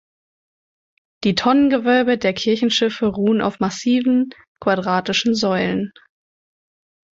Die Tonnengewölbe der Kirchenschiffe ruhen auf massiven quadratischen Säulen.